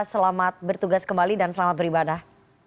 selamat bertugas kembali dan selamat beribadah